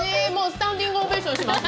スタンディングオベーションします。